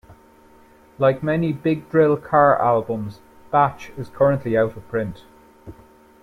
Like many Big Drill Car albums, "Batch" is currently out of print.